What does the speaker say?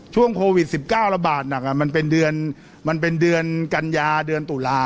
ช่วงโควิด๑๙ระบาดหนักมันเป็นเดือนมันเป็นเดือนกัญญาเดือนตุลา